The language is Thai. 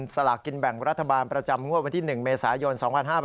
สลากกินแบ่งรัฐบาลประจำงวดวันที่๑เมษายน๒๕๕๙